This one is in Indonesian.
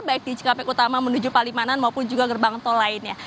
baik di cikampek utama menuju palimanan maupun juga gerbang tol lainnya